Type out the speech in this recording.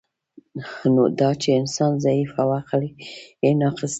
نو دا چی انسان ضعیف او عقل یی ناقص دی